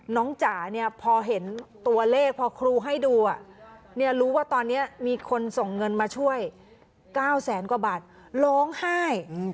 จ๋าเนี่ยพอเห็นตัวเลขพอครูให้ดูรู้ว่าตอนนี้มีคนส่งเงินมาช่วย๙แสนกว่าบาทร้องไห้